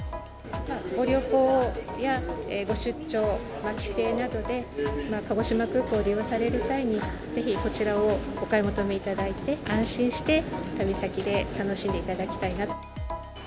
ご旅行やご出張、帰省などで、鹿児島空港を利用される際に、ぜひこちらをお買い求めいただいて、安心して旅先で楽しんでいただきたいなと。